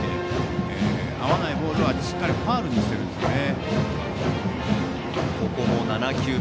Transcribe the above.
合わないボールはしっかりファウルにしていますね。